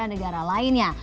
ada negara lainnya